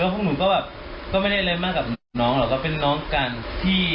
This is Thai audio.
พวกหนูก็แบบก็ไม่ได้อะไรมากกับน้องหรอกก็เป็นน้องกัน